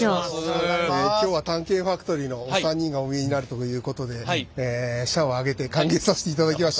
今日は「探検ファクトリー」のお三人がお見えになるということで社を挙げて歓迎させていただきました。